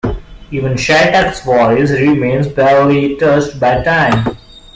Even Shattuck's voice remains barely touched by time...